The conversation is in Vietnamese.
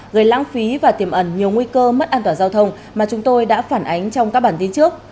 gây lãng phí và tiềm ẩn nhiều nguy cơ mất an toàn giao thông mà chúng tôi đã phản ánh trong các bản tin trước